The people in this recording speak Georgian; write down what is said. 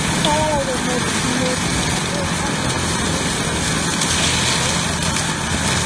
სავარაუდოდ ნებმაატრე იყო მეჩვიდმეტე დინასტიის წევრი, რომელიც მეფობდა.